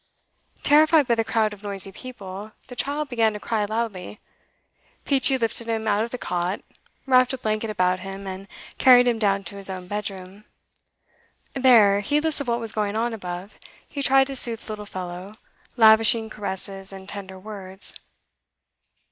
Terrified by the crowd of noisy people, the child began to cry loudly. Peachey lifted him out of the cot, wrapped a blanket about him, and carried him down to his own bedroom. There, heedless of what was going on above, he tried to soothe the little fellow, lavishing caresses and tender words.